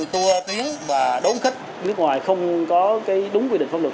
từ tùa tiếng và đốn khách nước ngoài không có đúng quy định pháp luật